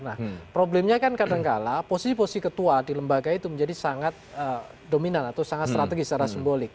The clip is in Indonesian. nah problemnya kan kadangkala posisi posisi ketua di lembaga itu menjadi sangat dominan atau sangat strategis secara simbolik